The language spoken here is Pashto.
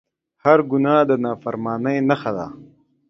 هر ګناه د نافرمانۍ نښه ده